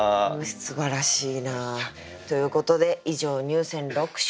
すばらしいな。ということで以上入選六首でした。